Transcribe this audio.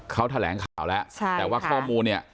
เขาแถลงข่าวแล้วแต่ว่าข้อมูลเนี่ย